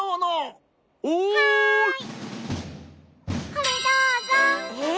これどうぞ。えっ？